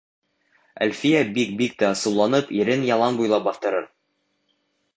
Әлфиә бик, бик тә асыуланып ирен ялан буйлап баҫтырыр.